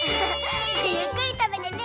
ゆっくりたべてね。